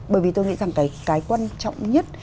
bởi vì tôi nghĩ rằng cái quan trọng nhất